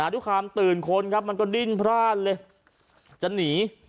ทุกความตื่นคนมันก็ดิ้นพลาดเลยจะหนี